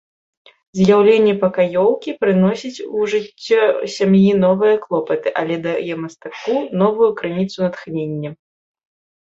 З'яўленне пакаёўкі прыносіць у жыццё сям'і новыя клопаты, але дае мастаку новую крыніцу натхнення.